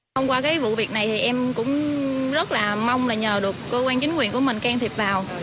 thông qua cái vụ việc này thì em cũng rất là mong là nhờ được cơ quan chính quyền của mình can thiệp vào